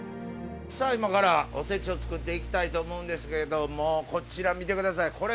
さあ今からおせちを作っていきたいと思うんですけどもこちら見てください。